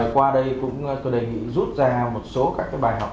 qua đây cũng tôi đề nghị rút ra một số các bài học